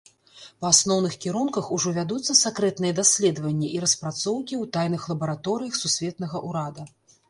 Па асноўных кірунках ужо вядуцца сакрэтныя даследаванні і распрацоўкі ў тайных лабараторыях сусветнага ўрада.